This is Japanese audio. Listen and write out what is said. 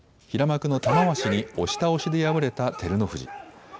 平幕の玉鷲に押し倒しで敗れた照ノ富士。